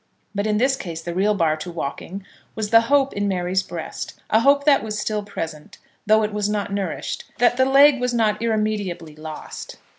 But in this case, the real bar to walking was the hope in Mary's breast, a hope that was still present, though it was not nourished, that the leg was not irremediably lost.